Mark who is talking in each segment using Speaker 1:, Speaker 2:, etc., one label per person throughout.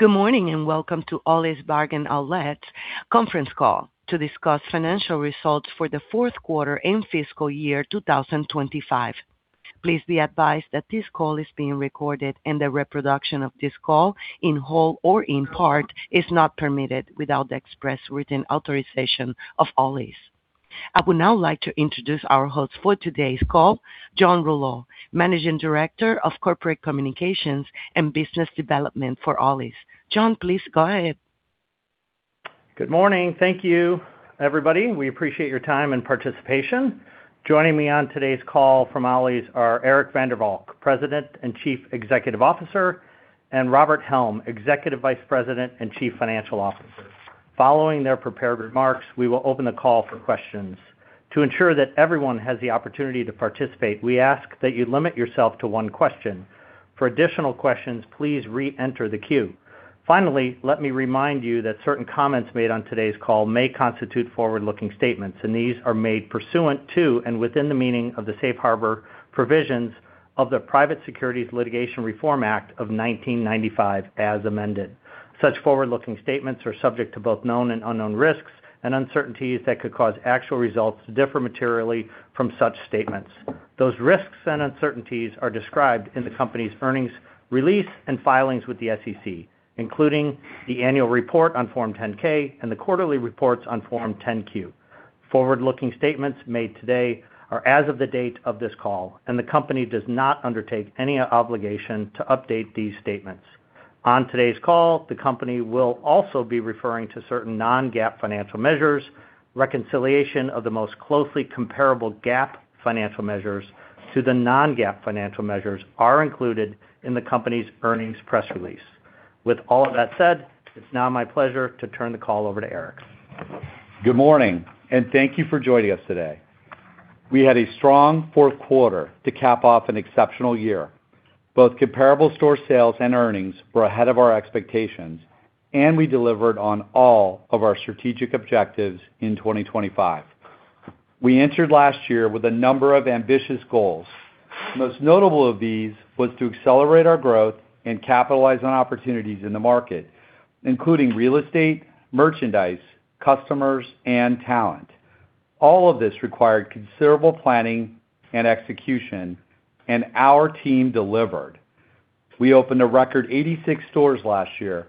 Speaker 1: Good morning, and welcome to Ollie's Bargain Outlet conference call to discuss financial results for the fourth quarter and fiscal year 2025. Please be advised that this call is being recorded and the reproduction of this call in whole or in part is not permitted without the express written authorization of Ollie's. I would now like to introduce our host for today's call, John Swygert, Managing Director of Corporate Communications and Business Development for Ollie's. John, please go ahead.
Speaker 2: Good morning. Thank you, everybody. We appreciate your time and participation. Joining me on today's call from Ollie's are Eric van der Valk, President and Chief Executive Officer, and Robert Helm, Executive Vice President and Chief Financial Officer. Following their prepared remarks, we will open the call for questions. To ensure that everyone has the opportunity to participate, we ask that you limit yourself to one question. For additional questions, please reenter the queue. Finally, let me remind you that certain comments made on today's call may constitute forward-looking statements, and these are made pursuant to and within the meaning of the safe harbor provisions of the Private Securities Litigation Reform Act of 1995, as amended. Such forward-looking statements are subject to both known and unknown risks and uncertainties that could cause actual results to differ materially from such statements. Those risks and uncertainties are described in the company's earnings release and filings with the SEC, including the annual report on Form 10-K and the quarterly reports on Form 10-Q. Forward-looking statements made today are as of the date of this call, and the company does not undertake any obligation to update these statements. On today's call, the company will also be referring to certain non-GAAP financial measures. Reconciliation of the most closely comparable GAAP financial measures to the non-GAAP financial measures are included in the company's earnings press release. With all of that said, it's now my pleasure to turn the call over to Eric.
Speaker 3: Good morning, and thank you for joining us today. We had a strong fourth quarter to cap off an exceptional year. Both comparable store sales and earnings were ahead of our expectations, and we delivered on all of our strategic objectives in 2025. We entered last year with a number of ambitious goals. Most notable of these was to accelerate our growth and capitalize on opportunities in the market, including real estate, merchandise, customers, and talent. All of this required considerable planning and execution, and our team delivered. We opened a record 86 stores last year,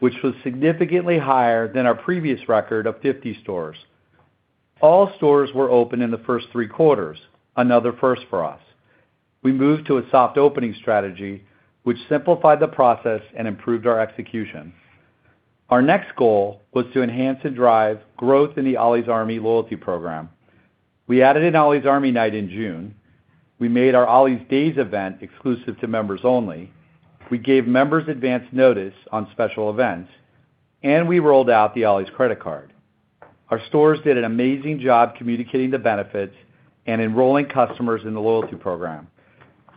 Speaker 3: which was significantly higher than our previous record of 50 stores. All stores were open in the first three quarters, another first for us. We moved to a soft opening strategy, which simplified the process and improved our execution. Our next goal was to enhance and drive growth in the Ollie's Army loyalty program. We added an Ollie's Army Night in June, we made our Ollie's Days event exclusive to members only, we gave members advanced notice on special events, and we rolled out the Ollie's Credit Card. Our stores did an amazing job communicating the benefits and enrolling customers in the loyalty program.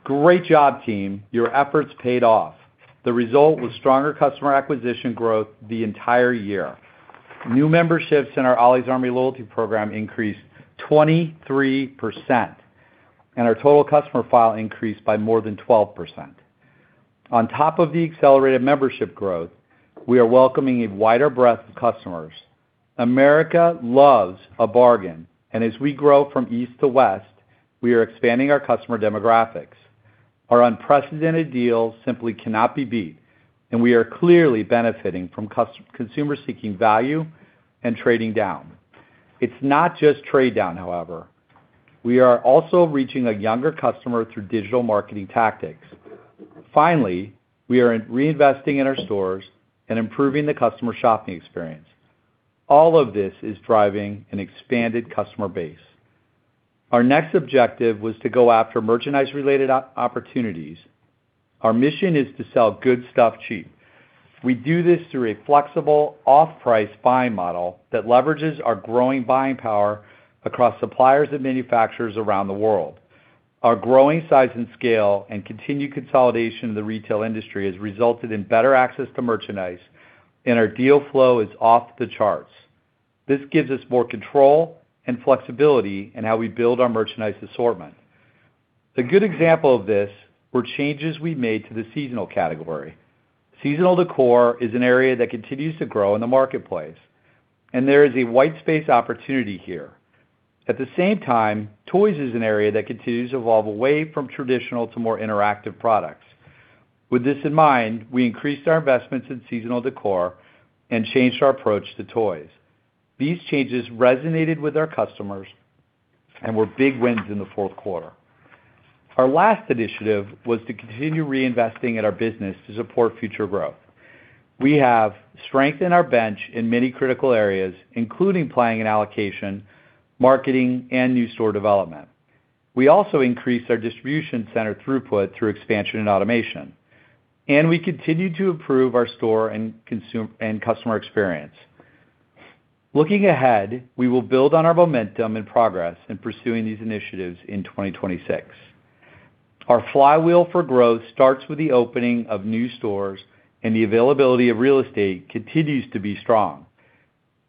Speaker 3: Great job, team. Your efforts paid off. The result was stronger customer acquisition growth the entire year. New memberships in our Ollie's Army loyalty program increased 23%, and our total customer file increased by more than 12%. On top of the accelerated membership growth, we are welcoming a wider breadth of customers. America loves a bargain, and as we grow from east to west, we are expanding our customer demographics. Our unprecedented deals simply cannot be beat, and we are clearly benefiting from consumer seeking value and trading down. It's not just trade down, however. We are also reaching a younger customer through digital marketing tactics. Finally, we are reinvesting in our stores and improving the customer shopping experience. All of this is driving an expanded customer base. Our next objective was to go after merchandise-related opportunities. Our mission is to sell good stuff cheap. We do this through a flexible off-price buying model that leverages our growing buying power across suppliers and manufacturers around the world. Our growing size and scale and continued consolidation of the retail industry has resulted in better access to merchandise, and our deal flow is off the charts. This gives us more control and flexibility in how we build our merchandise assortment. A good example of this were changes we made to the seasonal category. Seasonal decor is an area that continues to grow in the marketplace, and there is a white space opportunity here. At the same time, toys is an area that continues to evolve away from traditional to more interactive products. With this in mind, we increased our investments in seasonal decor and changed our approach to toys. These changes resonated with our customers and were big wins in the fourth quarter. Our last initiative was to continue reinvesting in our business to support future growth. We have strengthened our bench in many critical areas, including planning and allocation, marketing, and new store development. We also increased our distribution center throughput through expansion and automation, and we continued to improve our store and customer experience. Looking ahead, we will build on our momentum and progress in pursuing these initiatives in 2026. Our flywheel for growth starts with the opening of new stores and the availability of real estate continues to be strong.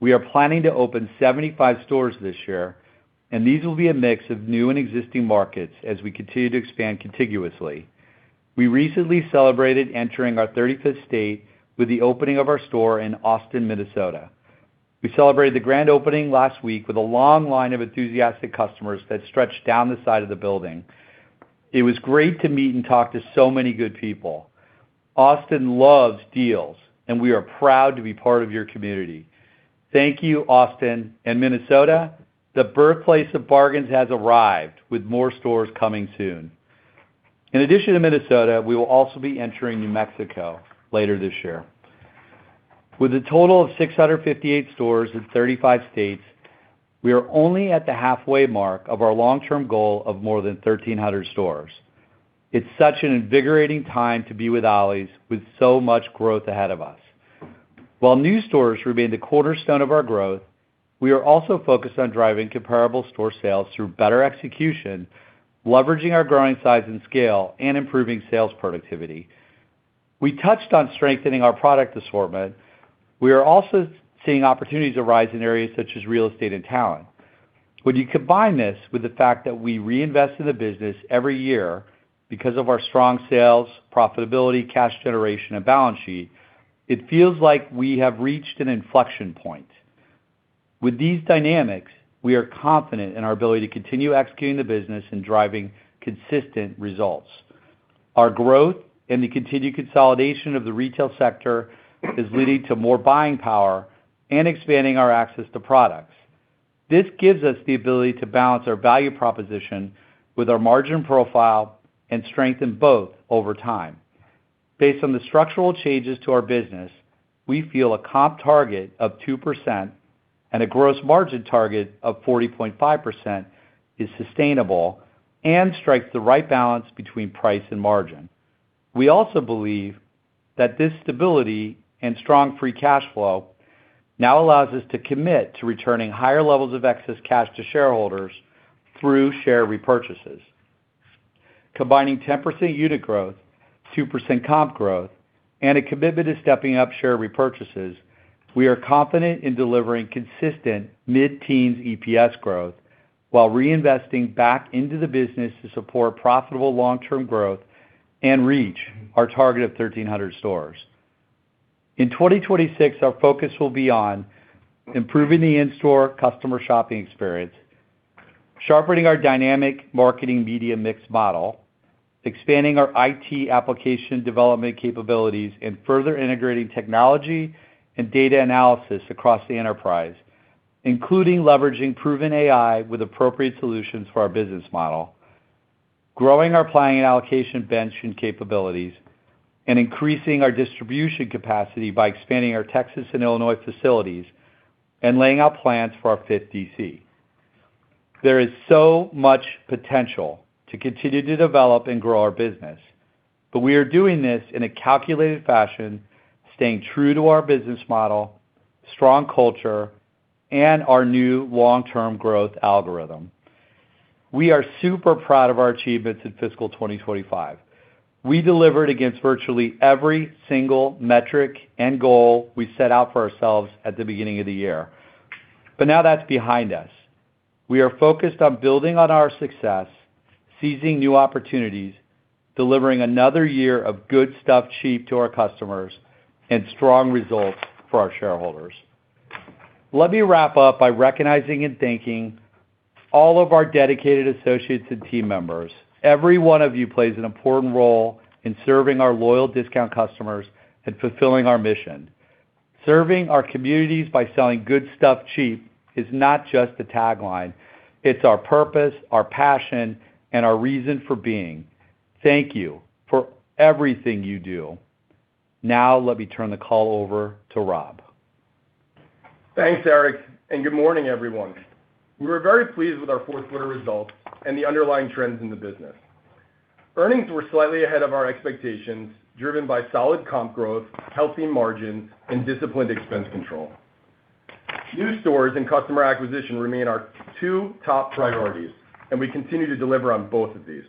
Speaker 3: We are planning to open 75 stores this year, and these will be a mix of new and existing markets as we continue to expand contiguously. We recently celebrated entering our 35th state with the opening of our store in Austin, Minnesota. We celebrated the grand opening last week with a long line of enthusiastic customers that stretched down the side of the building. It was great to meet and talk to so many good people. Austin loves deals and we are proud to be part of your community. Thank you, Austin. Minnesota, the birthplace of bargains has arrived with more stores coming soon. In addition to Minnesota, we will also be entering New Mexico later this year. With a total of 658 stores in 35 states, we are only at the halfway mark of our long term goal of more than 1,300 stores. It's such an invigorating time to be with Ollie's with so much growth ahead of us. While new stores remain the cornerstone of our growth, we are also focused on driving comparable store sales through better execution, leveraging our growing size and scale, and improving sales productivity. We touched on strengthening our product assortment. We are also seeing opportunities arise in areas such as real estate and talent. When you combine this with the fact that we reinvest in the business every year because of our strong sales, profitability, cash generation and balance sheet, it feels like we have reached an inflection point. With these dynamics, we are confident in our ability to continue executing the business and driving consistent results. Our growth and the continued consolidation of the retail sector is leading to more buying power and expanding our access to products. This gives us the ability to balance our value proposition with our margin profile and strengthen both over time. Based on the structural changes to our business, we feel a comp target of 2% and a gross margin target of 40.5% is sustainable and strikes the right balance between price and margin. We also believe that this stability and strong free cash flow now allows us to commit to returning higher levels of excess cash to shareholders through share repurchases. Combining 10% unit growth, 2% comp growth, and a commitment to stepping up share repurchases, we are confident in delivering consistent mid-teens EPS growth while reinvesting back into the business to support profitable long-term growth and reach our target of 1,300 stores. In 2026, our focus will be on improving the in-store customer shopping experience, sharpening our dynamic marketing media mix model, expanding our IT application development capabilities, and further integrating technology and data analysis across the enterprise, including leveraging proven AI with appropriate solutions for our business model, growing our planning and allocation bench and capabilities, and increasing our distribution capacity by expanding our Texas and Illinois facilities and laying out plans for our fifth DC. There is so much potential to continue to develop and grow our business, but we are doing this in a calculated fashion, staying true to our business model, strong culture, and our new long-term growth algorithm. We are super proud of our achievements in fiscal 2025. We delivered against virtually every single metric and goal we set out for ourselves at the beginning of the year. Now that's behind us. We are focused on building on our success, seizing new opportunities, delivering another year of good stuff cheap to our customers and strong results for our shareholders. Let me wrap up by recognizing and thanking all of our dedicated associates and team members. Every one of you plays an important role in serving our loyal discount customers and fulfilling our mission. Serving our communities by selling good stuff cheap is not just a tagline, it's our purpose, our passion, and our reason for being. Thank you for everything you do. Now let me turn the call over to Rob.
Speaker 4: Thanks, Eric, and good morning, everyone. We were very pleased with our fourth quarter results and the underlying trends in the business. Earnings were slightly ahead of our expectations, driven by solid comp growth, healthy margin, and disciplined expense control. New stores and customer acquisition remain our two top priorities, and we continue to deliver on both of these.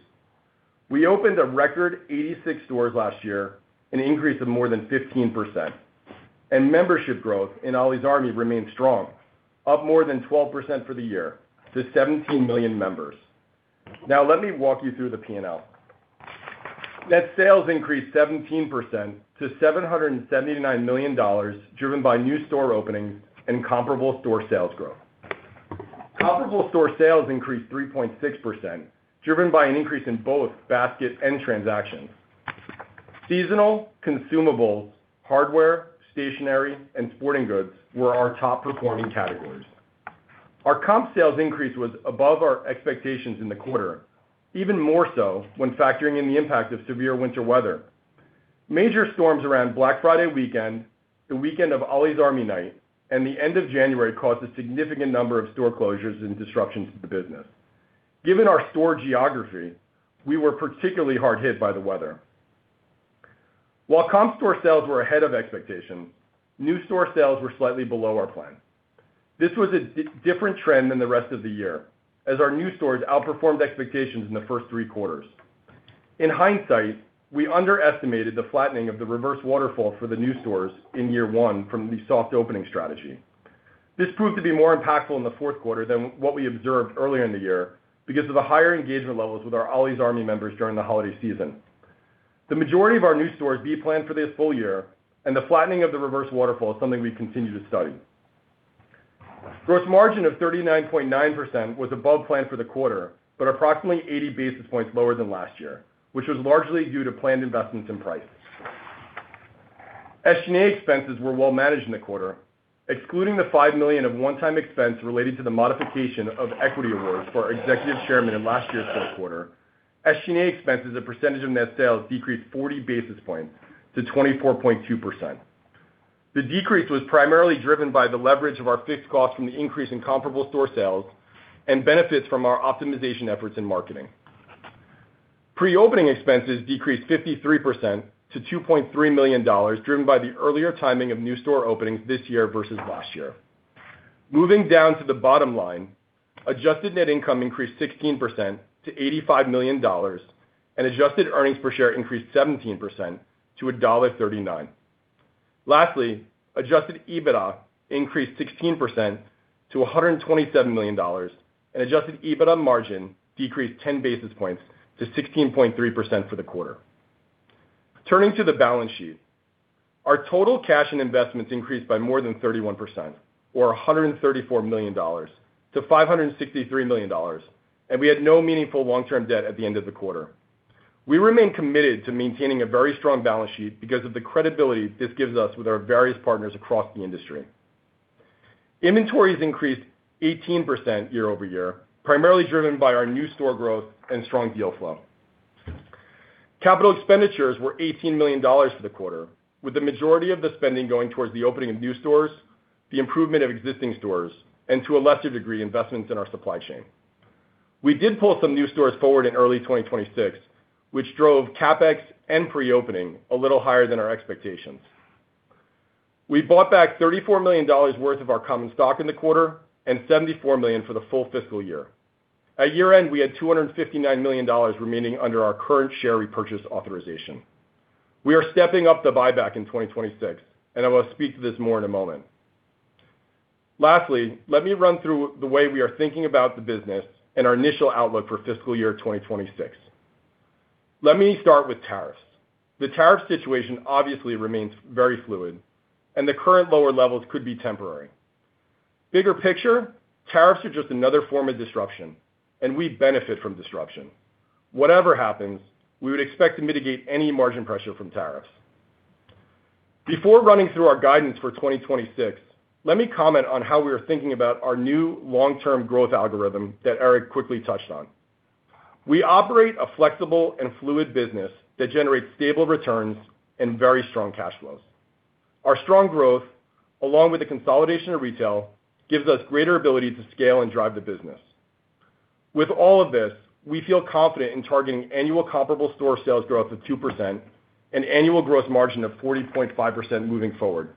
Speaker 4: We opened a record 86 stores last year, an increase of more than 15%. Membership growth in Ollie's Army remains strong, up more than 12% for the year to 17 million members. Now, let me walk you through the P&L. Net sales increased 17% to $779 million, driven by new store openings and comparable store sales growth. Comparable store sales increased 3.6%, driven by an increase in both basket and transactions. Seasonal, consumable, hardware, stationery, and sporting goods were our top performing categories. Our comp sales increase was above our expectations in the quarter, even more so when factoring in the impact of severe winter weather. Major storms around Black Friday weekend, the weekend of Ollie's Army Night, and the end of January caused a significant number of store closures and disruptions to the business. Given our store geography, we were particularly hard hit by the weather. While comp store sales were ahead of expectations, new store sales were slightly below our plan. This was a different trend than the rest of the year, as our new stores outperformed expectations in the first three quarters. In hindsight, we underestimated the flattening of the reverse waterfall for the new stores in year one from the soft opening strategy. This proved to be more impactful in the fourth quarter than what we observed earlier in the year because of the higher engagement levels with our Ollie's Army members during the holiday season. The majority of our new stores will be planned for this full year, and the flattening of the reverse waterfall is something we continue to study. Gross margin of 39.9% was above plan for the quarter, but approximately 80 basis points lower than last year, which was largely due to planned investments in prices. SG&A expenses were well managed in the quarter, excluding the $5 million of one-time expense related to the modification of equity awards for our Executive Chairman in last year's fourth quarter. SG&A expenses as a percentage of net sales decreased 40 basis points to 24.2%. The decrease was primarily driven by the leverage of our fixed costs from the increase in comparable store sales and benefits from our optimization efforts in marketing. Pre-opening expenses decreased 53% to $2.3 million, driven by the earlier timing of new store openings this year versus last year. Moving down to the bottom line, adjusted net income increased 16% to $85 million and adjusted earnings per share increased 17% to $1.39. Lastly, adjusted EBITDA increased 16% to $127 million and adjusted EBITDA margin decreased 10 basis points to 16.3% for the quarter. Turning to the balance sheet. Our total cash and investments increased by more than 31% or $134 million to $563 million, and we had no meaningful long-term debt at the end of the quarter. We remain committed to maintaining a very strong balance sheet because of the credibility this gives us with our various partners across the industry. Inventories increased 18% year-over-year, primarily driven by our new store growth and strong deal flow. Capital expenditures were $18 million for the quarter, with the majority of the spending going towards the opening of new stores, the improvement of existing stores, and to a lesser degree, investments in our supply chain. We did pull some new stores forward in early 2026, which drove CapEx and pre-opening a little higher than our expectations. We bought back $34 million worth of our common stock in the quarter and $74 million for the full fiscal year. At year-end, we had $259 million remaining under our current share repurchase authorization. We are stepping up the buyback in 2026, and I will speak to this more in a moment. Lastly, let me run through the way we are thinking about the business and our initial outlook for fiscal year 2026. Let me start with tariffs. The tariff situation obviously remains very fluid and the current lower levels could be temporary. Bigger picture, tariffs are just another form of disruption, and we benefit from disruption. Whatever happens, we would expect to mitigate any margin pressure from tariffs. Before running through our guidance for 2026, let me comment on how we are thinking about our new long-term growth algorithm that Eric quickly touched on. We operate a flexible and fluid business that generates stable returns and very strong cash flows. Our strong growth, along with the consolidation of retail, gives us greater ability to scale and drive the business. With all of this, we feel confident in targeting annual comparable store sales growth of 2% and annual gross margin of 40.5% moving forward,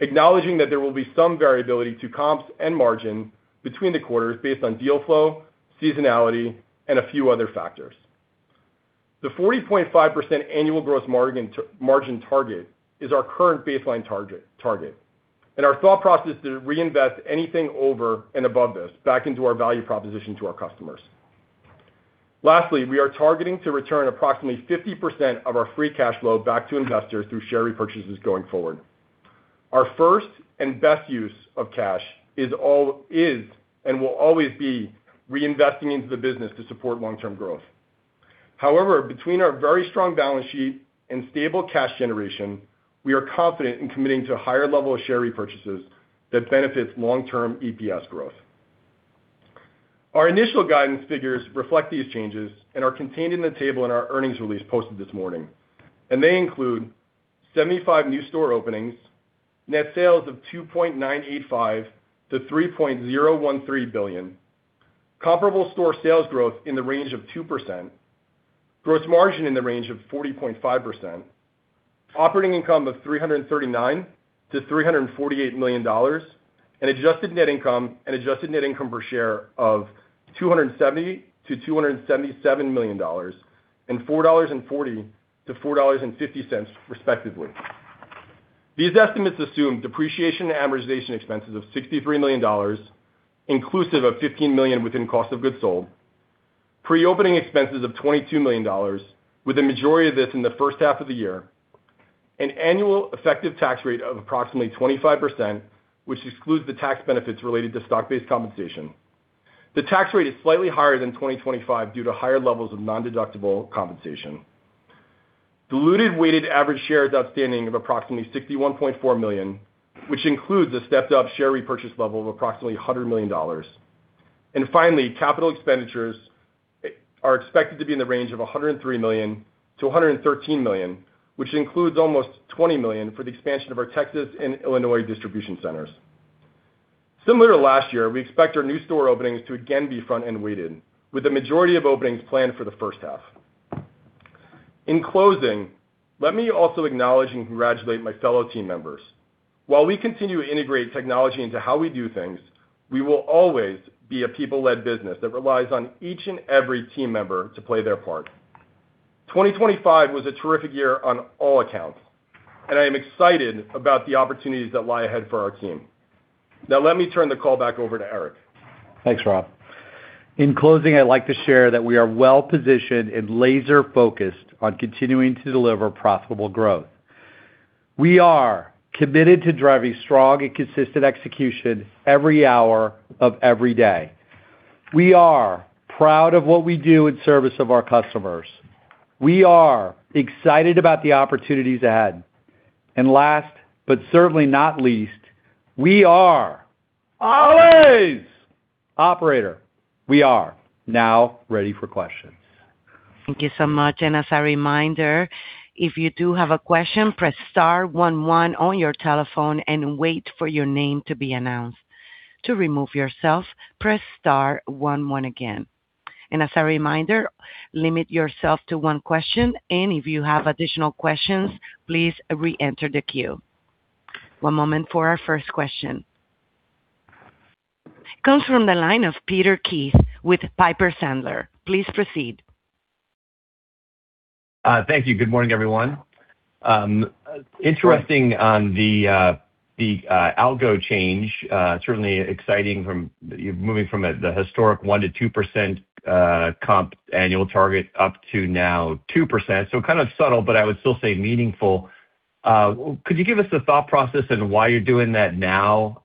Speaker 4: acknowledging that there will be some variability to comps and margin between the quarters based on deal flow, seasonality, and a few other factors. The 40.5% annual gross margin target is our current baseline target and our thought process to reinvest anything over and above this back into our value proposition to our customers. Lastly, we are targeting to return approximately 50% of our free cash flow back to investors through share repurchases going forward. Our first and best use of cash is and will always be reinvesting into the business to support long-term growth. However, between our very strong balance sheet and stable cash generation, we are confident in committing to a higher level of share repurchases that benefits long-term EPS growth. Our initial guidance figures reflect these changes and are contained in the table in our earnings release posted this morning, and they include 75 new store openings, net sales of $2.985-$3.013 billion, comparable store sales growth in the range of 2%, gross margin in the range of 40.5%, operating income of $339-$348 million in adjusted net income and adjusted net income per share of $270 million -$277 million and $4.40-$4.50 respectively. These estimates assume depreciation and amortization expenses of $63 million, inclusive of $15 million within cost of goods sold. Pre-opening expenses of $22 million, with a majority of this in the first half of the year. An annual effective tax rate of approximately 25%, which excludes the tax benefits related to stock-based compensation. The tax rate is slightly higher than 25 due to higher levels of nondeductible compensation. Diluted weighted average shares outstanding of approximately $61.4 million, which includes a stepped-up share repurchase level of approximately $100 million. Finally, capital expenditures are expected to be in the range of $103 million-$113 million, which includes almost $20 million for the expansion of our Texas and Illinois distribution centers. Similar to last year, we expect our new store openings to again be front-end weighted, with the majority of openings planned for the first half. In closing, let me also acknowledge and congratulate my fellow team members. While we continue to integrate technology into how we do things, we will always be a people-led business that relies on each and every team member to play their part. 2025 was a terrific year on all accounts, and I am excited about the opportunities that lie ahead for our team. Now let me turn the call back over to Eric.
Speaker 3: Thanks, Rob. In closing, I'd like to share that we are well-positioned and laser-focused on continuing to deliver profitable growth. We are committed to driving strong and consistent execution every hour of every day. We are proud of what we do in service of our customers. We are excited about the opportunities ahead. Last but certainly not least, we are always. Operator, we are now ready for questions.
Speaker 1: Thank you so much. As a reminder, if you do have a question, press star one one on your telephone and wait for your name to be announced. To remove yourself, press star one one again. As a reminder, limit yourself to one question, and if you have additional questions, please reenter the queue. One moment for our first question. Comes from the line of Peter Keith with Piper Sandler. Please proceed.
Speaker 5: Thank you. Good morning, everyone. Interesting on the goal change, certainly exciting from you moving from the historic 1%-2% comp annual target up to now 2%. Kind of subtle, but I would still say meaningful. Could you give us the thought process and why you're doing that now?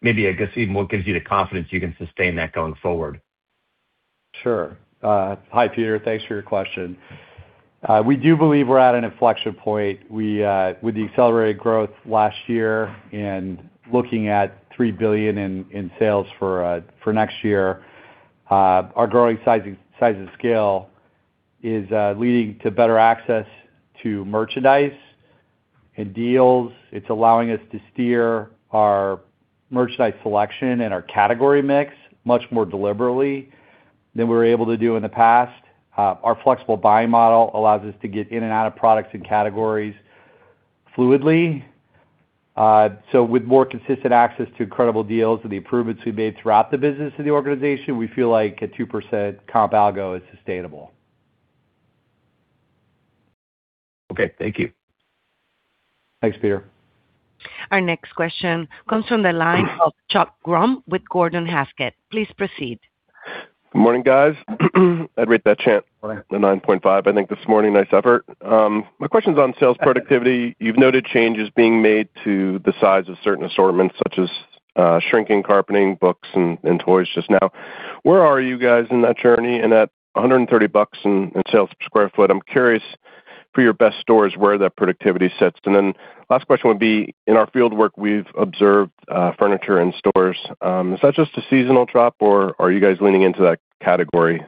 Speaker 5: Maybe, I guess, even what gives you the confidence you can sustain that going forward?
Speaker 3: Hi, Peter. Thanks for your question. We do believe we're at an inflection point. With the accelerated growth last year and looking at $3 billion in sales for next year, our growing size and scale is leading to better access to merchandise and deals. It's allowing us to steer our merchandise selection and our category mix much more deliberately than we were able to do in the past. Our flexible buying model allows us to get in and out of products and categories fluidly. With more consistent access to incredible deals and the improvements we've made throughout the business of the organization, we feel like a 2% comp algo is sustainable.
Speaker 5: Okay. Thank you.
Speaker 3: Thanks, Peter.
Speaker 1: Our next question comes from the line of Chuck Grom with Gordon Haskett. Please proceed.
Speaker 6: Good morning, guys. I'd rate that chant 9.5, I think, this morning. Nice effort. My question's on sales productivity. You've noted changes being made to the size of certain assortments, such as shrinking carpeting, books and toys just now. Where are you guys in that journey? At $130 in sales per sq ft, I'm curious for your best stores where that productivity sits. Last question would be, in our field work, we've observed furniture in stores. Is that just a seasonal drop, or are you guys leaning into that category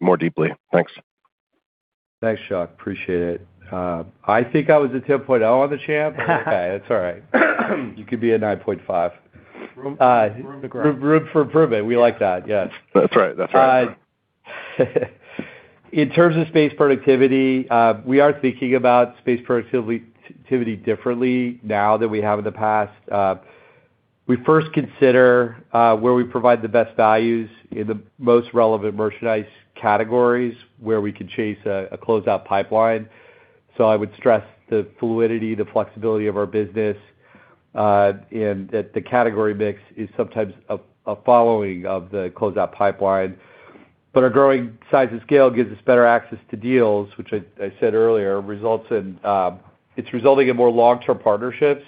Speaker 6: more deeply? Thanks.
Speaker 3: Thanks, Chuck. Appreciate it. I think I was a 10.0 on the chant. Okay. It's all right. You could be a 9.5.
Speaker 4: Room to grow.
Speaker 3: Room for improvement. We like that. Yes.
Speaker 6: That's right.
Speaker 3: In terms of space productivity, we are thinking about space productivity differently now than we have in the past. We first consider where we provide the best values in the most relevant merchandise categories, where we can chase a closeout pipeline. I would stress the fluidity, the flexibility of our business, and that the category mix is sometimes a following of the closeout pipeline. Our growing size and scale gives us better access to deals, which I said earlier results in. It's resulting in more long-term partnerships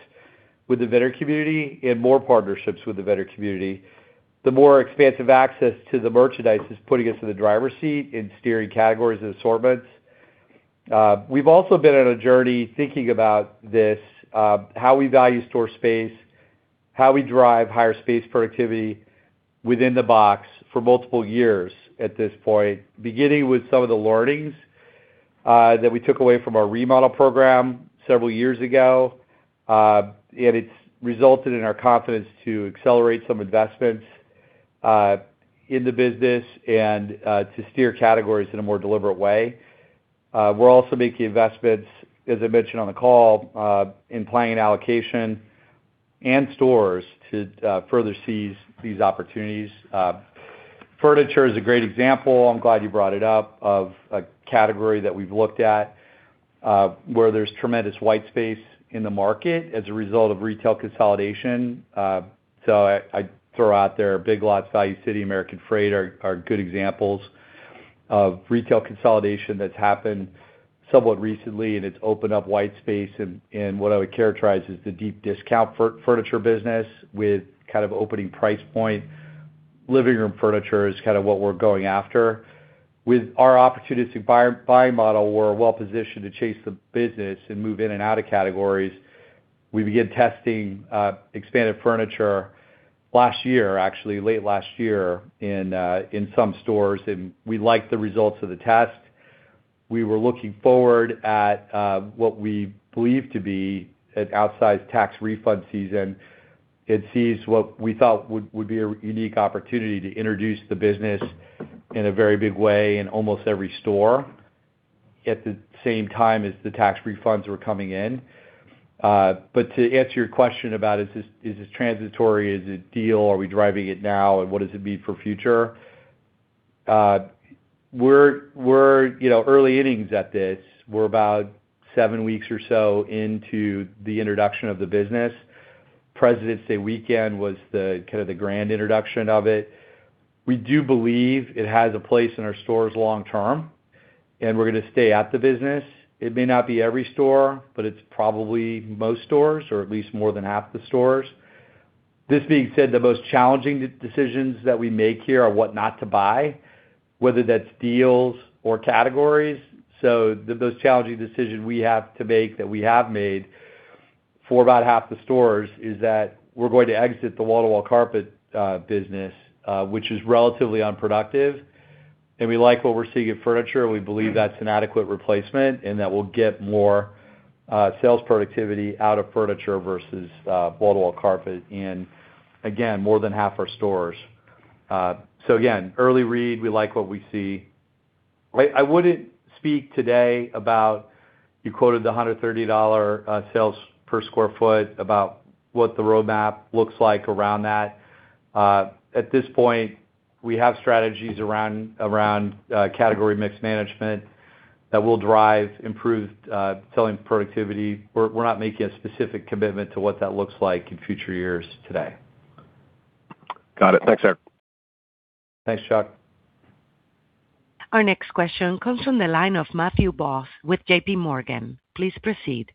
Speaker 3: with the vendor community and more partnerships with the vendor community. The more expansive access to the merchandise is putting us in the driver's seat in steering categories and assortments. We've also been on a journey thinking about this, how we value store space, how we drive higher space productivity within the box for multiple years at this point, beginning with some of the learnings that we took away from our remodel program several years ago. It's resulted in our confidence to accelerate some investments in the business and to steer categories in a more deliberate way. We're also making investments, as I mentioned on the call, in planning and allocation and stores to further seize these opportunities. Furniture is a great example, I'm glad you brought it up, of a category that we've looked at, where there's tremendous white space in the market as a result of retail consolidation. I throw out there Big Lots, Value City, American Freight are good examples of retail consolidation that's happened somewhat recently, and it's opened up white space in what I would characterize as the deep discount furniture business with kind of opening price point. Living room furniture is kind of what we're going after. With our opportunities to buying model, we're well positioned to chase the business and move in and out of categories. We began testing expanded furniture last year, actually late last year in some stores, and we liked the results of the test. We were looking forward to what we believe to be an outsized tax refund season we saw what we thought would be a unique opportunity to introduce the business in a very big way in almost every store at the same time as the tax refunds were coming in. To answer your question about is this transitory, is it the deal? Are we driving it now? What does it mean for the future? We're, you know, early innings at this. We're about seven weeks or so into the introduction of the business. Presidents' Day weekend was kind of the grand introduction of it. We do believe it has a place in our stores long term, and we're going to stay at the business. It may not be every store, but it's probably most stores, or at least more than half the stores. This being said, the most challenging decisions that we make here are what not to buy, whether that's deals or categories. Those challenging decisions we have to make, that we have made for about half the stores is that we're going to exit the wall-to-wall carpet business, which is relatively unproductive. We like what we're seeing in furniture, and we believe that's an adequate replacement and that we'll get more sales productivity out of furniture versus wall-to-wall carpet in, again, more than half our stores. Early read, we like what we see. I wouldn't speak today about, you quoted the $130 sales per square foot about what the roadmap looks like around that. At this point, we have strategies around category mix management that will drive improved selling productivity. We're not making a specific commitment to what that looks like in future years today.
Speaker 6: Got it. Thanks, Eric.
Speaker 3: Thanks, Chuck.
Speaker 1: Our next question comes from the line of Matthew Boss with J.P. Morgan. Please proceed.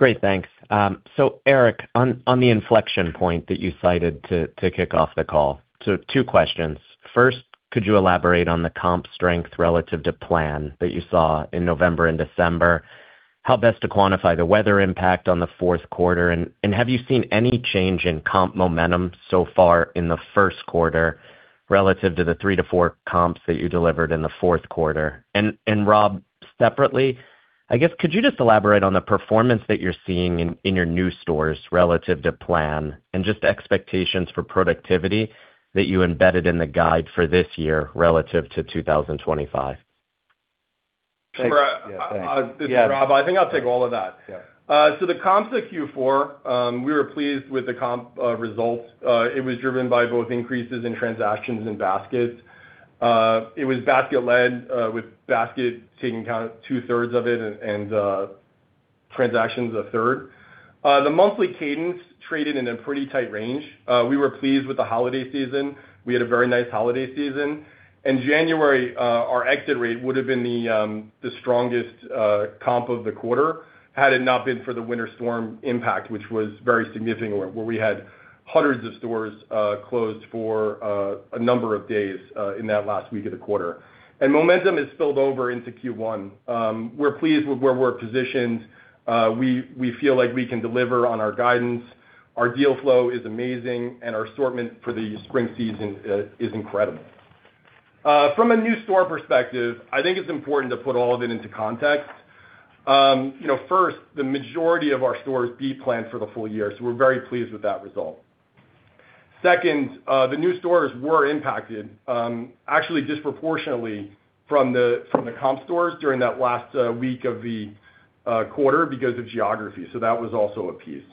Speaker 7: Great, thanks. Eric, on the inflection point that you cited to kick off the call. Two questions. First, could you elaborate on the comp strength relative to plan that you saw in November and December? How best to quantify the weather impact on the fourth quarter? And have you seen any change in comp momentum so far in the first quarter relative to the three to four comps that you delivered in the fourth quarter? And Rob, separately, I guess, could you just elaborate on the performance that you're seeing in your new stores relative to plan and just expectations for productivity that you embedded in the guide for this year relative to 2025?
Speaker 3: Thanks. Yeah, thanks.
Speaker 4: Sure. This is Rob. I think I'll take all of that.
Speaker 3: Yeah.
Speaker 4: The comps at Q4, we were pleased with the comp results. It was driven by both increases in transactions and baskets. It was basket-led, with basket accounting for two-thirds of it and transactions a third. The monthly cadence traded in a pretty tight range. We were pleased with the holiday season. We had a very nice holiday season. In January, our exit rate would've been the strongest comp of the quarter had it not been for the winter storm impact, which was very significant, where we had hundreds of stores closed for a number of days in that last week of the quarter. Momentum has spilled over into Q1. We're pleased with where we're positioned. We feel like we can deliver on our guidance. Our deal flow is amazing, and our assortment for the spring season is incredible. From a new store perspective, I think it's important to put all of it into context. You know, first, the majority of our stores are planned for the full year, so we're very pleased with that result. Second, the new stores were impacted, actually disproportionately from the comp stores during that last week of the quarter because of geography. That was also a piece.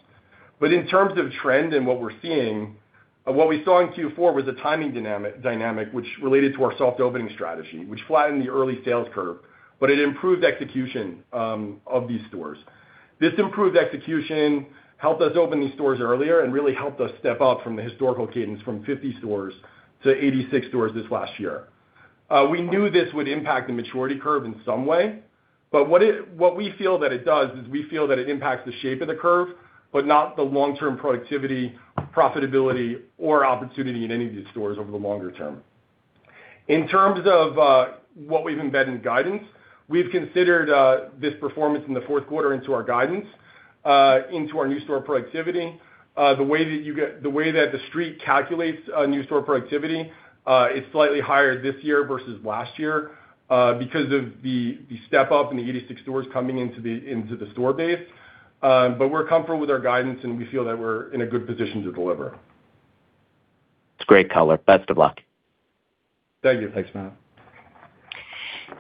Speaker 4: In terms of trend and what we're seeing, what we saw in Q4 was a timing dynamic which related to our soft opening strategy, which flattened the early sales curve, but it improved execution of these stores. This improved execution helped us open these stores earlier and really helped us step up from the historical cadence from 50 stores to 86 stores this last year. We knew this would impact the maturity curve in some way, but what we feel that it does is we feel that it impacts the shape of the curve, but not the long-term productivity, profitability, or opportunity in any of these stores over the longer term. In terms of what we've embedded in guidance, we've considered this performance in the fourth quarter into our guidance, into our new store productivity. The way that The Street calculates new store productivity is slightly higher this year versus last year because of the step-up in the 86 stores coming into the store base. We're comfortable with our guidance, and we feel that we're in a good position to deliver.
Speaker 7: It's great color. Best of luck.
Speaker 4: Thank you.
Speaker 3: Thanks, Matt.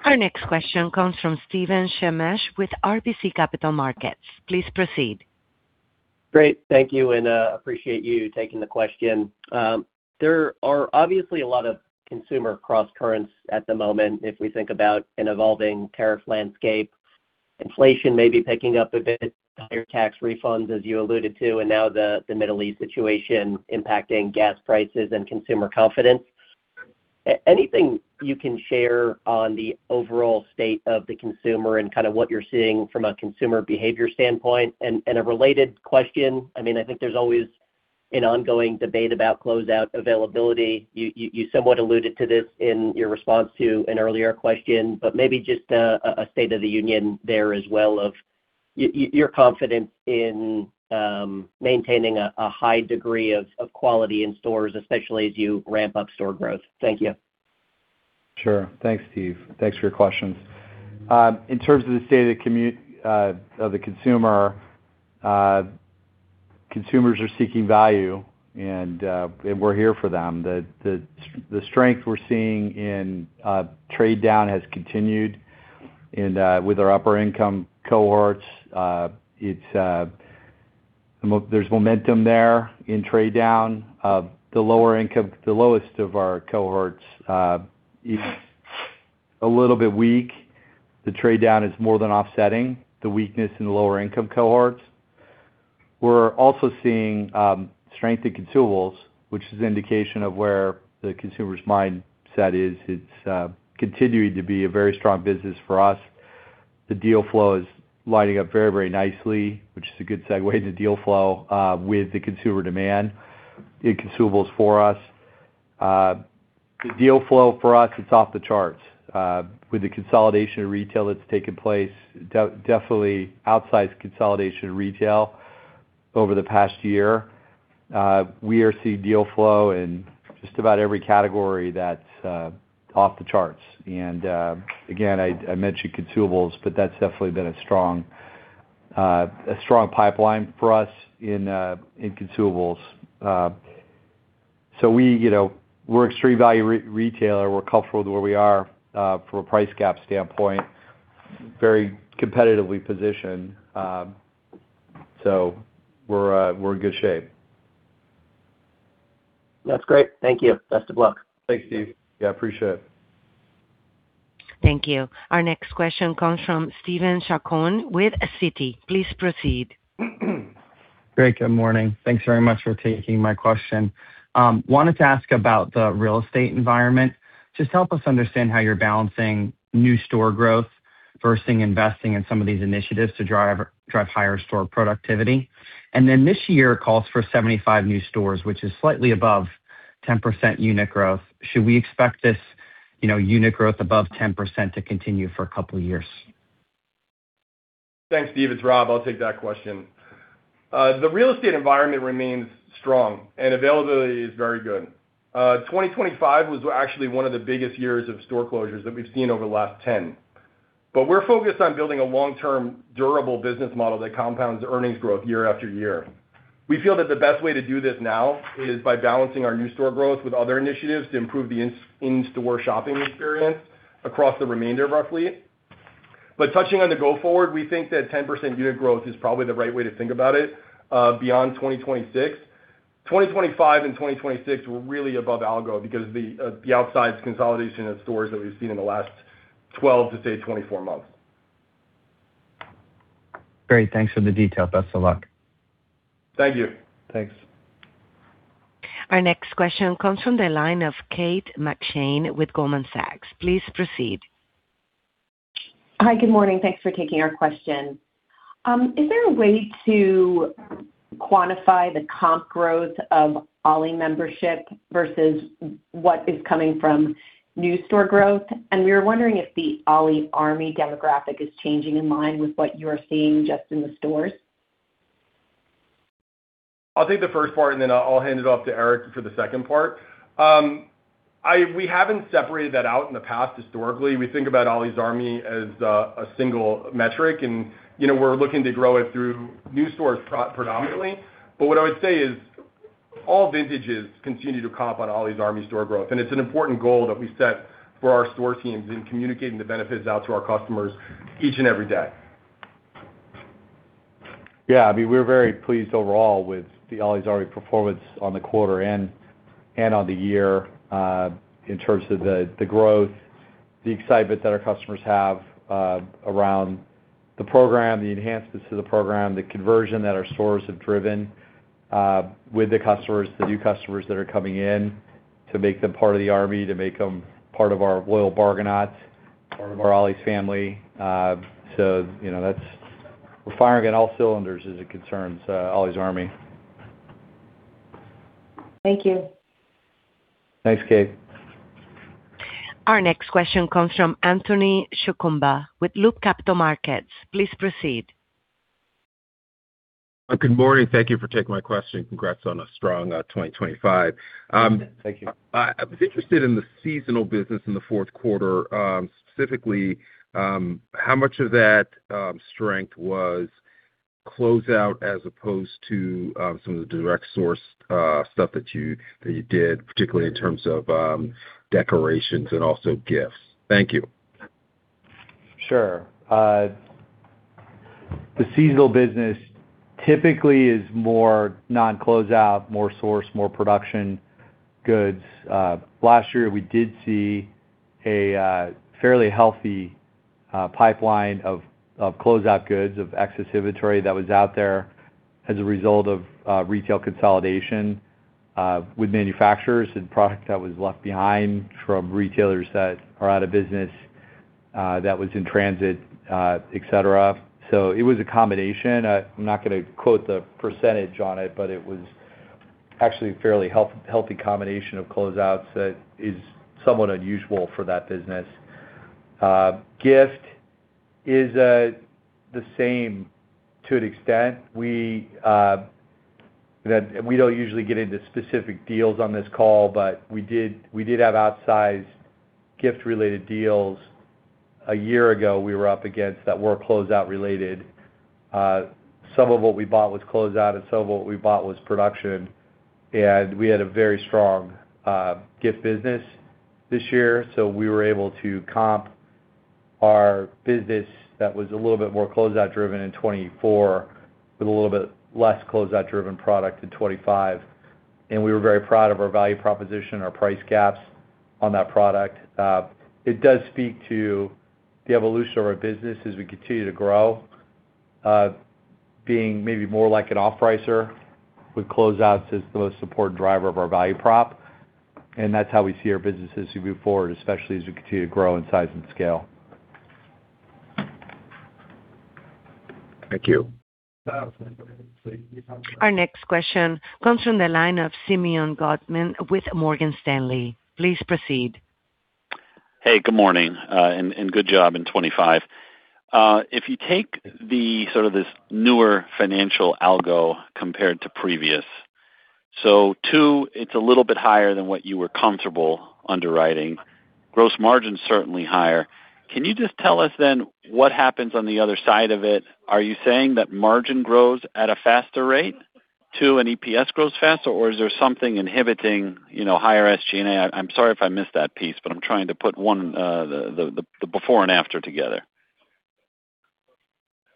Speaker 1: Our next question comes from Steven Shemesh with RBC Capital Markets. Please proceed.
Speaker 8: Great. Thank you, and appreciate you taking the question. There are obviously a lot of consumer crosscurrents at the moment if we think about an evolving tariff landscape. Inflation may be picking up a bit, higher tax refunds, as you alluded to, and now the Middle East situation impacting gas prices and consumer confidence. Anything you can share on the overall state of the consumer and kind of what you're seeing from a consumer behavior standpoint? A related question, I mean, I think there's always an ongoing debate about closeout availability. You somewhat alluded to this in your response to an earlier question, but maybe just a state of the union there as well of your confidence in maintaining a high degree of quality in stores, especially as you ramp up store growth. Thank you.
Speaker 3: Sure. Thanks, Steve. Thanks for your questions. In terms of the state of the consumer, consumers are seeking value, and we're here for them. The strength we're seeing in trade down has continued and with our upper income cohorts, there's momentum there in trade down. The lower income, the lowest of our cohorts, is a little bit weak. The trade down is more than offsetting the weakness in the lower income cohorts. We're also seeing strength in consumables, which is indication of where the consumer's mindset is. It's continuing to be a very strong business for us. The deal flow is lining up very, very nicely, which is a good segue to deal flow with the consumer demand in consumables for us. The deal flow for us, it's off the charts. With the consolidation of retail that's taken place, definitely outsized consolidation in retail over the past year. We are seeing deal flow in just about every category that's off the charts. Again, I mentioned consumables, but that's definitely been a strong pipeline for us in consumables. We, you know, we're extreme value retailer. We're comfortable with where we are from a price cap standpoint, very competitively positioned. We're in good shape.
Speaker 8: That's great. Thank you. Best of luck.
Speaker 3: Thanks, Steve. Yeah, appreciate it.
Speaker 1: Thank you. Our next question comes from Steven Zaccone with Citi. Please proceed.
Speaker 9: Greg, good morning. Thanks very much for taking my question. Wanted to ask about the real estate environment. Just help us understand how you're balancing new store growth versus investing in some of these initiatives to drive higher store productivity. This year calls for 75 new stores, which is slightly above 10% unit growth. Should we expect this, you know, unit growth above 10% to continue for a couple of years?
Speaker 4: Thanks, Steve. It's Rob. I'll take that question. The real estate environment remains strong and availability is very good. 2025 was actually one of the biggest years of store closures that we've seen over the last 10. We're focused on building a long-term durable business model that compounds earnings growth year after year. We feel that the best way to do this now is by balancing our new store growth with other initiatives to improve the in-store shopping experience across the remainder of our fleet. Touching on the going forward, we think that 10% unit growth is probably the right way to think about it, beyond 2026. 2025 and 2026 were really above algo because the outside consolidation of stores that we've seen in the last 12 to, say, 24 months.
Speaker 9: Great. Thanks for the detail. Best of luck.
Speaker 4: Thank you.
Speaker 3: Thanks.
Speaker 1: Our next question comes from the line of Kate McShane with Goldman Sachs. Please proceed.
Speaker 10: Hi, good morning. Thanks for taking our question. Is there a way to quantify the comp growth of Ollie membership versus what is coming from new store growth? We were wondering if the Ollie's Army demographic is changing in line with what you're seeing just in the stores.
Speaker 4: I'll take the first part, and then I'll hand it off to Eric for the second part. We haven't separated that out in the past historically. We think about Ollie's Army as a single metric, and, you know, we're looking to grow it through new stores predominantly. What I would say is all vintages continue to comp on Ollie's Army store growth, and it's an important goal that we set for our store teams in communicating the benefits out to our customers each and every day.
Speaker 3: Yeah. I mean, we're very pleased overall with the Ollie's Army performance on the quarter and on the year, in terms of the growth, the excitement that our customers have around the program, the enhancements to the program, the conversion that our stores have driven with the customers, the new customers that are coming in to make them part of the Army, to make them part of our loyal Bargainauts, part of our Ollie's family. You know, that's. We're firing on all cylinders as it concerns Ollie's Army.
Speaker 10: Thank you.
Speaker 3: Thanks, Kate.
Speaker 1: Our next question comes from Anthony Chukumba with Loop Capital Markets. Please proceed.
Speaker 11: Good morning. Thank you for taking my question. Congrats on a strong 2025.
Speaker 3: Thank you.
Speaker 11: I was interested in the seasonal business in the fourth quarter, specifically, how much of that strength was closeout as opposed to some of the direct sourced stuff that you did, particularly in terms of decorations and also gifts. Thank you.
Speaker 3: Sure. The seasonal business typically is more non-closeout, more sourced, more production goods. Last year, we did see a fairly healthy pipeline of closeout goods of excess inventory that was out there as a result of retail consolidation with manufacturers and product that was left behind from retailers that are out of business, that was in transit, et cetera. It was a combination. I'm not going to quote the percentage on it, but it was actually a fairly healthy combination of closeouts that is somewhat unusual for that business. Gift is the same to an extent. We
Speaker 4: We don't usually get into specific deals on this call, but we did have outsized gift-related deals a year ago we were up against that were closeout related. Some of what we bought was closeout and some of what we bought was production. We had a very strong gift business this year, so we were able to comp our business that was a little bit more closeout driven in 2024 with a little bit less closeout driven product in 2025. We were very proud of our value proposition, our price gaps on that product. It does speak to the evolution of our business as we continue to grow, being maybe more like an off-pricer with closeouts as the most important driver of our value prop. That's how we see our business as we move forward, especially as we continue to grow in size and scale.
Speaker 11: Thank you.
Speaker 1: Our next question comes from the line of Simeon Gutman with Morgan Stanley. Please proceed.
Speaker 12: Hey, good morning, and good job in 2025. If you take the newer financial outlook compared to previous, so too, it's a little bit higher than what you were comfortable underwriting. Gross margin's certainly higher. Can you just tell us then what happens on the other side of it? Are you saying that margin grows at a faster rate than EPS grows faster, or is there something inhibiting, you know, higher SG&A? I'm sorry if I missed that piece, but I'm trying to put the before and after together.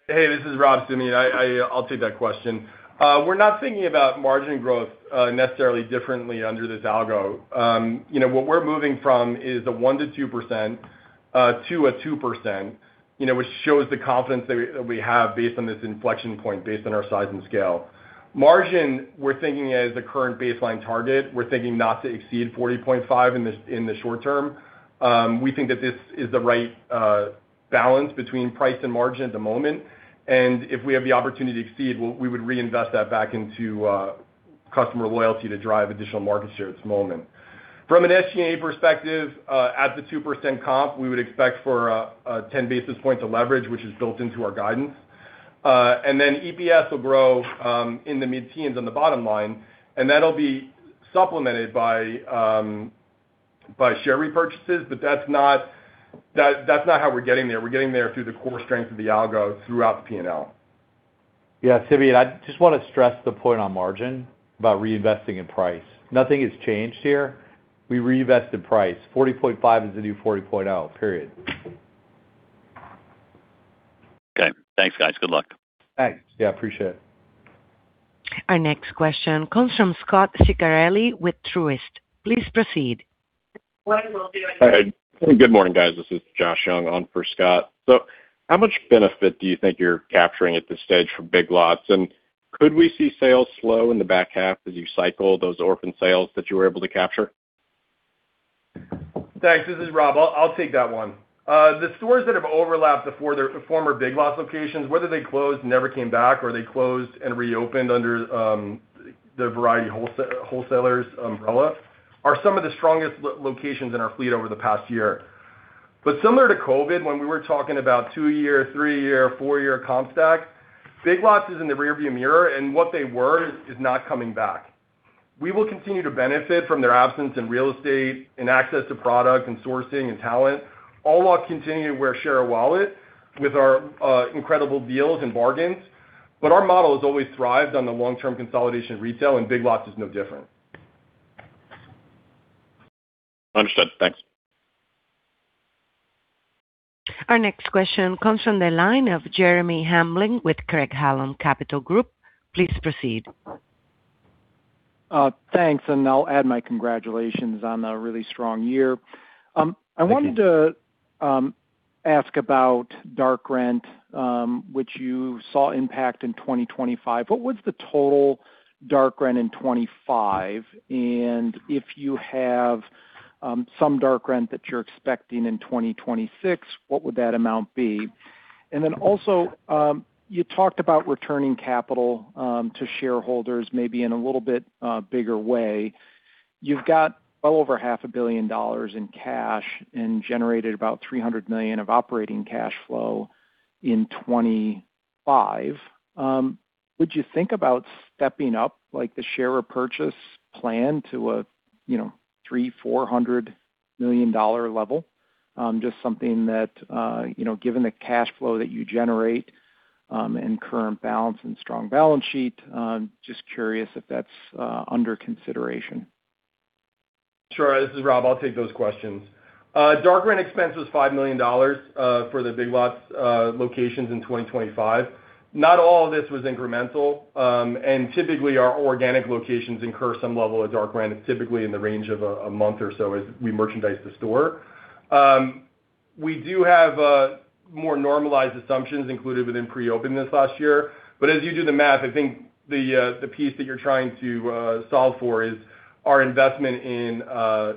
Speaker 4: Hey, this is Rob, Simeon. I'll take that question. We're not thinking about margin growth, necessarily differently under this algo. You know, what we're moving from is the 1%-2% to 2%, you know, which shows the confidence that we have based on this inflection point, based on our size and scale. Margins, we're thinking as the current baseline target. We're thinking not to exceed 40.5% in the short term. We think that this is the right balance between price and margin at the moment. If we have the opportunity to exceed, we would reinvest that back into customer loyalty to drive additional market share at this moment. From an SG&A perspective, at the 2% comp, we would expect for a 10 basis points of leverage, which is built into our guidance. EPS will grow in the mid-teens% on the bottom line, and that'll be supplemented by share repurchases, but that's not how we're getting there. We're getting there through the core strength of the algo throughout the P&L. Yeah, Simeon, I just want to stress the point on margin about reinvesting in price. Nothing has changed here. We reinvest in price. 40.5% is the new 40.0%, period.
Speaker 12: Okay. Thanks, guys. Good luck.
Speaker 4: Thanks. Yeah, appreciate it.
Speaker 1: Our next question comes from Scot Ciccarelli with Truist. Please proceed.
Speaker 13: Hi. Good morning, guys. This is Joshua Young on for Scot. How much benefit do you think you're capturing at this stage from Big Lots? Could we see sales slow in the back half as you cycle those orphan sales that you were able to capture?
Speaker 4: Thanks. This is Rob. I'll take that one. The stores that have overlapped the former Big Lots locations, whether they closed and never came back or they closed and reopened under the Variety Wholesalers umbrella, are some of the strongest locations in our fleet over the past year. Similar to COVID, when we were talking about two-year, three-year, four-year comp stack, Big Lots is in the rearview mirror, and what they were is not coming back. We will continue to benefit from their absence in real estate and access to product and sourcing and talent, all while continuing to win share of wallet with our incredible deals and bargains. Our model has always thrived on the long-term consolidation of retail, and Big Lots is no different.
Speaker 13: Understood. Thanks.
Speaker 1: Our next question comes from the line of Jeremy Hamblin with Craig-Hallum Capital Group. Please proceed.
Speaker 14: Thanks, I'll add my congratulations on a really strong year.
Speaker 2: Thank you.
Speaker 14: I wanted to ask about straight-line rent, which you saw impact in 2025. What was the total straight-line rent in 2025? If you have some straight-line rent that you're expecting in 2026, what would that amount be? Also, you talked about returning capital to shareholders maybe in a little bit bigger way. You've got well over half a billion dollars in cash and generated about $300 million of operating cash flow in 2025. Would you think about stepping up like the share repurchase plan to a, you know, $300 million-$400 million level? Just something that, you know, given the cash flow that you generate and current balance and strong balance sheet, just curious if that's under consideration.
Speaker 4: Sure. This is Rob. I'll take those questions. Dark rent expense was $5 million for the Big Lots locations in 2025. Not all of this was incremental. Typically, our organic locations incur some level of dark rent. It's typically in the range of a month or so as we merchandise the store. We do have more normalized assumptions included within pre-open this last year. But as you do the math, I think the piece that you're trying to solve for is our investment in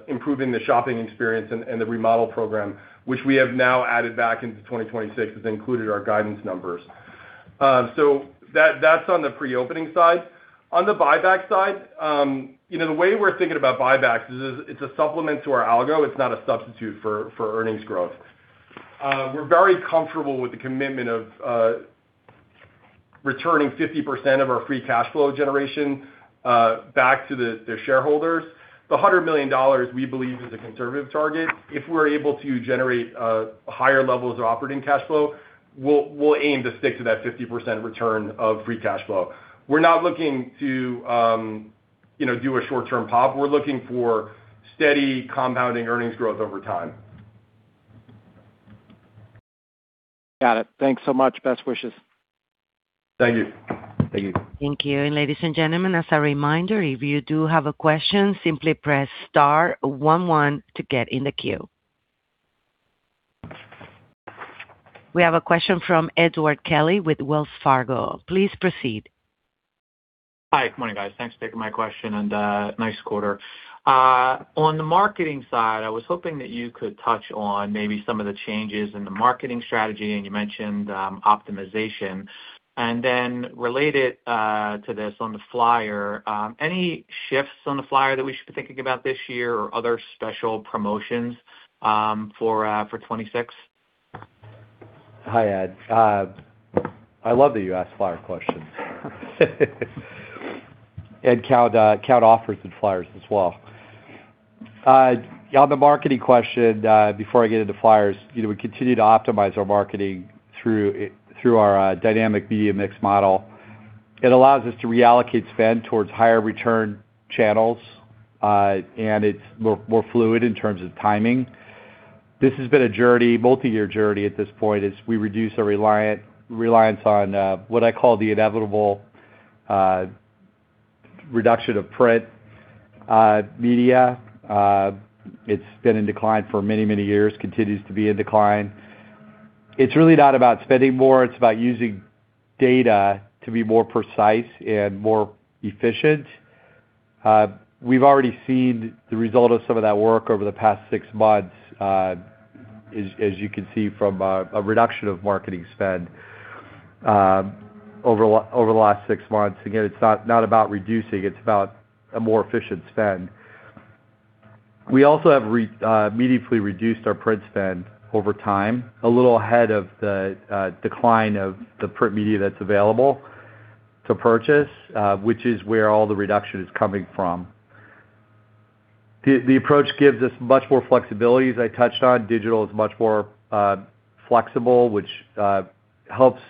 Speaker 4: improving the shopping experience and the remodel program, which we have now added back into 2026 as included our guidance numbers. So that's on the pre-opening side. On the buyback side, you know, the way we're thinking about buybacks is it's a supplement to our algo. It's not a substitute for earnings growth. We're very comfortable with the commitment of returning 50% of our free cash flow generation back to the shareholders. The $100 million, we believe, is a conservative target. If we're able to generate higher levels of operating cash flow, we'll aim to stick to that 50% return of free cash flow. We're not looking to, you know, do a short-term pop. We're looking for steady compounding earnings growth over time.
Speaker 14: Got it. Thanks so much. Best wishes.
Speaker 2: Thank you. Thank you.
Speaker 1: Thank you. Ladies and gentlemen, as a reminder, if you do have a question, simply press star one one to get in the queue. We have a question from Edward Kelly with Wells Fargo. Please proceed.
Speaker 15: Hi. Good morning, guys. Thanks for taking my question and nice quarter. On the marketing side, I was hoping that you could touch on maybe some of the changes in the marketing strategy, and you mentioned optimization. Related to this, on the flyer, any shifts on the flyer that we should be thinking about this year or other special promotions for 2026?
Speaker 3: Hi, Ed. I love that you ask flyer questions. We count offers and flyers as well. On the marketing question, before I get into flyers, you know, we continue to optimize our marketing through our dynamic media mix model. It allows us to reallocate spend towards higher return channels, and it's more fluid in terms of timing. This has been a journey, multi-year journey at this point, as we reduce our reliance on what I call the inevitable reduction of print media. It's been in decline for many years, continues to be in decline. It's really not about spending more, it's about using data to be more precise and more efficient. We've already seen the result of some of that work over the past six months, as you can see from a reduction of marketing spend over the last six months. Again, it's not about reducing, it's about a more efficient spend. We also have meaningfully reduced our print spend over time, a little ahead of the decline of the print media that's available to purchase, which is where all the reduction is coming from. The approach gives us much more flexibility, as I touched on. Digital is much more flexible, which helps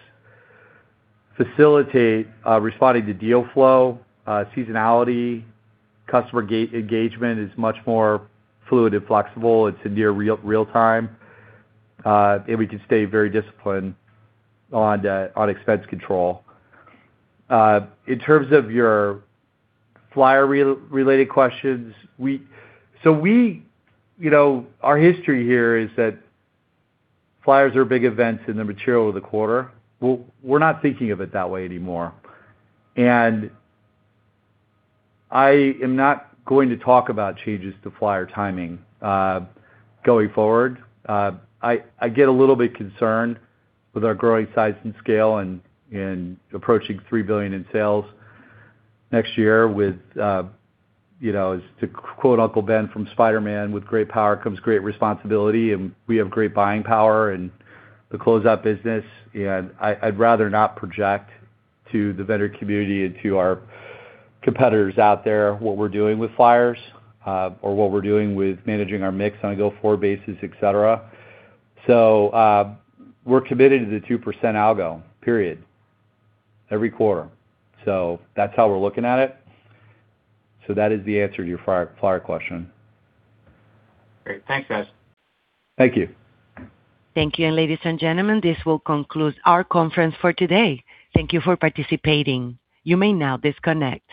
Speaker 3: facilitate responding to deal flow, seasonality. Customer engagement is much more fluid and flexible. It's near real time. We can stay very disciplined on expense control. In terms of your flyer-related questions, we, you know, our history here is that flyers are big events in the material of the quarter. Well, we're not thinking of it that way anymore, and I am not going to talk about changes to flyer timing, going forward. I get a little bit concerned with our growing size and scale and approaching $3 billion in sales next year with, you know, as to quote Uncle Ben from Spider-Man, "With great power comes great responsibility." We have great buying power in the closeout business. I'd rather not project to the vendor community and to our competitors out there what we're doing with flyers, or what we're doing with managing our mix on a go-forward basis, et cetera. We're committed to the 2% algo, period, every quarter. That's how we're looking at it. That is the answer to your prior question.
Speaker 15: Great. Thanks, guys.
Speaker 3: Thank you.
Speaker 1: Thank you. Ladies and gentlemen, this will conclude our conference for today. Thank you for participating. You may now disconnect.